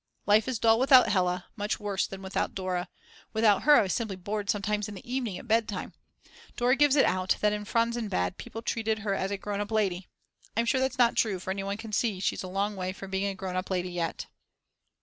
Life is dull without Hella, much worse than without Dora; without her I was simply bored sometimes in the evening, at bedtime. Dora gives it out that in Franzensbad people treated her as a grown up lady. I'm sure that's not true for anyone can see that she's a long way from being a grown up lady yet.